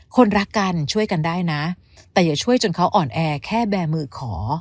คนรักกันช่วยกันได้นะแต่อย่าช่วยจนเขาอ่อนแอแค่แบร์มือขอ